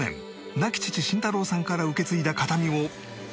亡き父慎太郎さんから受け継いだ形見をテレビ初公開。